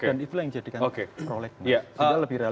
dan itulah yang jadikan prolek